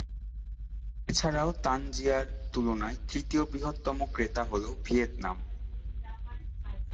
এছাড়াও, তানজানিয়ার তুলার তৃতীয় বৃহত্তম ক্রেতা হল ভিয়েতনাম।